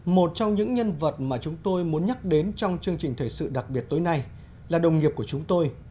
một trong những nhân vật mà chúng tôi muốn nhắc đến trong chương trình thời sự đặc biệt tối nay là đồng nghiệp của chúng tôi